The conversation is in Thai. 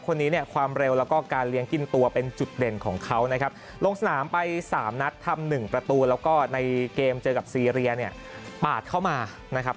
คนนี้เนี่ยความเร็วแล้วก็การเลี้ยงกินตัวเป็นจุดเด่นของเขานะครับลงสนามไปสามนัดทำ๑ประตูแล้วก็ในเกมเจอกับซีเรียเนี่ยปาดเข้ามานะครับ